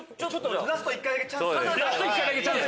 ラスト１回だけチャンス。